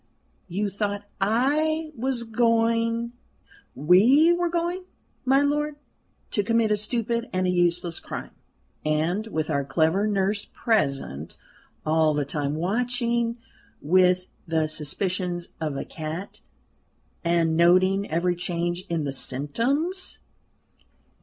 "You thought I was going we were going, my lord to commit a stupid and a useless crime. And, with our clever nurse present, all the time watching with the suspicions of a cat, and noting every change in the symptoms?